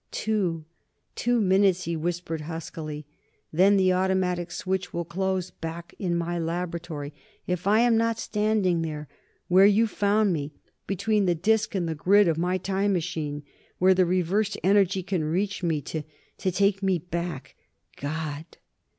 "Two ... two minutes," he whispered huskily. "Then the automatic switch will close, back in my laboratory. If I am not standing where ... where you found me ... between the disc and the grid of my time machine, where the reversed energy can reach me, to ... to take me back ... God!"